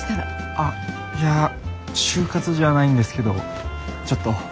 あいや就活じゃないんですけどちょっと。